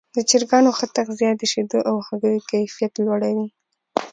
د چرګانو ښه تغذیه د شیدو او هګیو کیفیت لوړوي.